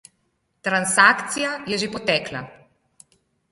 Transakcija je že potekla.